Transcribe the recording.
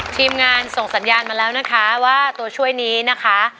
ทีมงานส่งสัญญาณมาแล้วนะคะว่าตัวช่วยนี้นะคะ